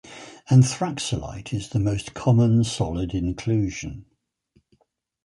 Anthraxolite is the most common solid inclusion.